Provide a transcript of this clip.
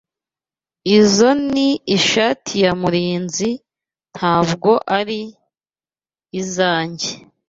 Izoi ni ishati ya Murinzi, ntabwo ari izoanjye.